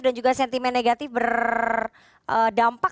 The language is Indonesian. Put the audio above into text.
dan juga sentimen negatif berdampak